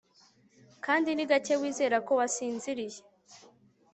Kandi ni gake wizera ko wasinziriye